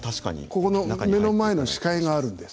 ここの目の前の視界があるんです。